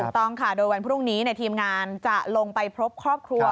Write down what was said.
ต้องค่ะโดยวันพรุ่งนี้ทีมงานจะลงไปพบครอบครัว